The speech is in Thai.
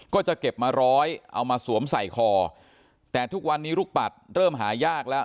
ก็จะเก็บมาร้อยเอามาสวมใส่คอแต่ทุกวันนี้ลูกปัดเริ่มหายากแล้ว